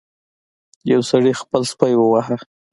یو سړي خپل سپی وواهه.